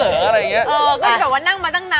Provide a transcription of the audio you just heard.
เริ่มให้ไอที